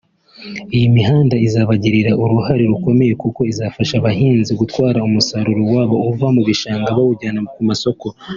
Iyi mihanda izabigiramo uruhare rukomeye kuko izafasha abahinzi gutwara umusaruro wabo uva mu bishanga bawujyana ku masoko